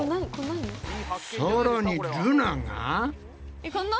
さらにルナが。